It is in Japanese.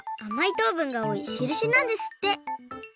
とうぶんがおおいしるしなんですって。